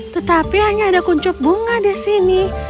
tetapi hanya ada kuncup bunga disini